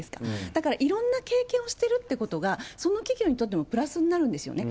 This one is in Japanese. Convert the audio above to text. だからいろんな経験をしてるということが、その企業にとってもプラスになるんですよね。